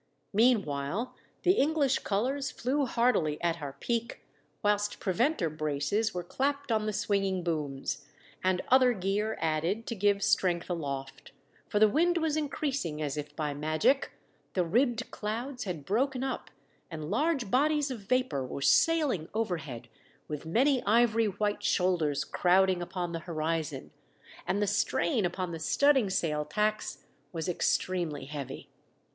Meanwhile, the English colours flew hardily at our peak, whilst preventer braces were clapped on the swinging booms and other gear added to give strength aloft ; for the wind was increasing as if by magic, the ribbed clouds had broken up and large bodies of vapour were sailing overhead with many ivory white shoulders crowding upon the horizon, and the strain upon the studding sail tacks was extremely heavy.